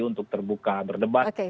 untuk terbuka berdebat